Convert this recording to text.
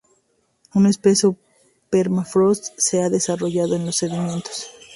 Un espeso permafrost se ha desarrollado en estos sedimentos.